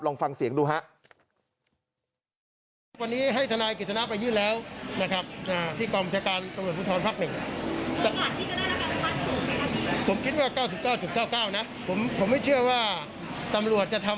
ลองฟังเสียงดูฮะ